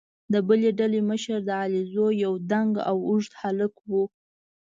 د بلې ډلې مشر د علیزو یو دنګ او اوږد هلک وو.